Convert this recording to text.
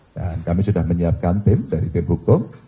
dan kami sudah menyiapkan tim dari tim hukum